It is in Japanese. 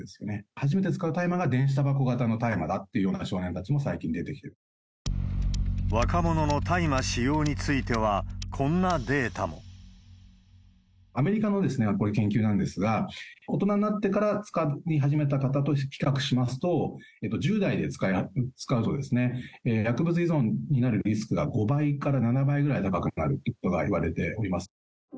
初めて使う大麻が電子たばこ型の大麻だったっていう少年たちも最若者の大麻使用については、アメリカの研究なんですが、大人になってから使い始めた方と比較しますと、やっぱり１０代で使うと、薬物依存になるリスクが、５倍から７倍ぐらい高くなるということがいわれています。